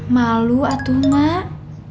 malu atuh mak